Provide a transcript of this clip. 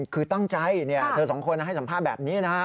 คือตั้งใจเธอสองคนให้สัมภาษณ์แบบนี้นะครับ